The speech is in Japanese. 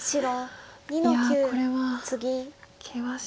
いやこれは険しいですね。